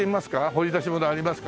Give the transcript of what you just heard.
掘り出しものありますか？